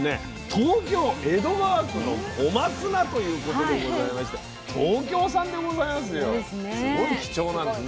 東京・江戸川区の小松菜ということでございまして東京産でございますよ。